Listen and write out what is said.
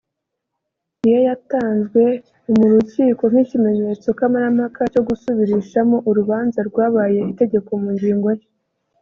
niyo yatanzwe mu mu rukiko nk’ ikimenyetso kamarampaka cyo gusubirishamo urubanza rwabaye itegeko mu ngingo nshya